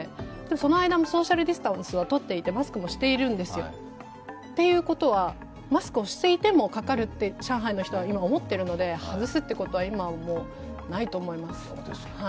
その間もソーシャルディスタンスをとっていてマスクもしているんですよ、ということは、マスクをしていてもかかるって上海の人は思っているので、外すということは今はもうないと思います。